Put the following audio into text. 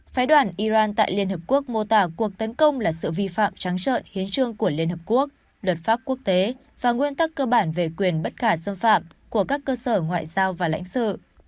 phái đoàn iran tại liên hợp quốc mô tả cuộc tấn công là sự vi phạm trắng trợn hiến trương của liên hợp quốc luật pháp quốc tế và nguyên tắc cơ bản về quyền bất khả xâm phạm của các cơ sở ngoại giao và lãnh sự